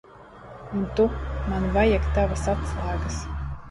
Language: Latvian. Un tu. Man vajag tavas atslēgas.